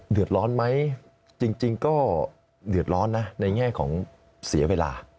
เดือดร้อนไหมจริงก็เดือดร้อนนะในแง่ของเสียเวลา